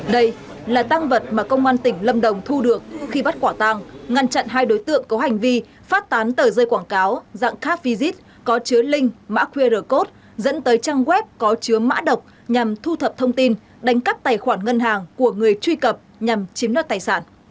đây là tăng vật mà công an tỉnh lâm đồng thu được khi bắt quả tăng ngăn chặn hai đối tượng có hành vi phát tán tờ rơi quảng cáo dạng car visit có chứa link mã qr code dẫn tới trang web có chứa mã độc nhằm thu thập thông tin đánh cắp tài khoản ngân hàng của người truy cập nhằm chiếm đoạt tài sản